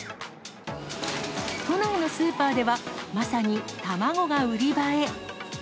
都内のスーパーでは、まさに卵が売り場へ。